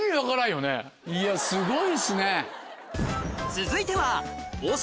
いやすごいですね。